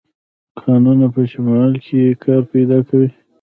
کانونه په شمال کې کار پیدا کوي.